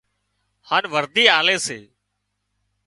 هانَ ورڌِي آلي سي